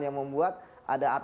yang membuat ada